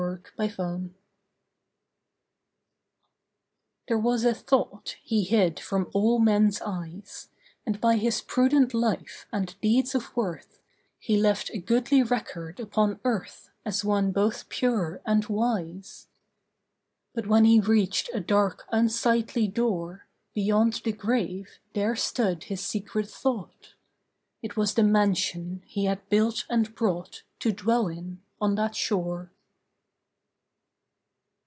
HIS MANSION There was a thought he hid from all men's eyes, And by his prudent life and deeds of worth He left a goodly record upon earth As one both pure and wise. But when he reached a dark unsightly door Beyond the grave, there stood his secret thought. It was the mansion he had built and brought To dwell in, on that shore.